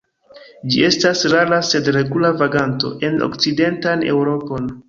Ĝi estas rara sed regula vaganto en okcidentan Eŭropon.